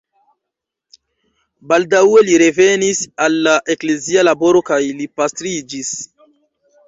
Baldaŭe li revenis al la eklezia laboro kaj li pastriĝis.